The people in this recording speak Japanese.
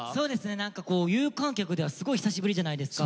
何かこう有観客ではすごい久しぶりじゃないですか。